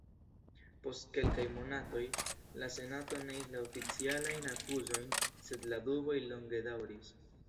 Post kelkaj monatoj, la Senato neis la oficialajn akuzojn sed la duboj longe daŭris.